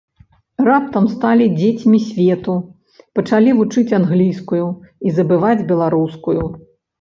Раптам сталі дзецьмі свету, пачалі вучыць англійскую і забываць беларускую.